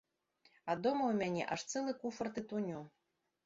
А дома ў мяне аж цэлы куфар тытуню.